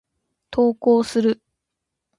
投稿する。